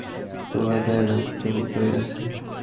আর কলিকাতায় এইরূপ শত সহস্র যুবক রহিয়াছে।